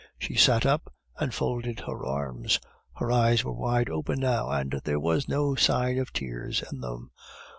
She sat up and folded her arms; her eyes were wide open now, and there was no sign of tears in them.